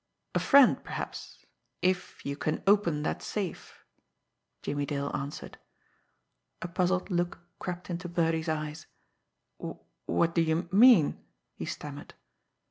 "A friend perhaps if you can open that safe," Jimmie Dale answered. A puzzled look crept into Birdie's eyes. "W what do you mean?" he stammered.